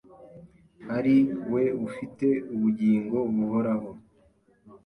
ari we ufite ubugingo buhoraho.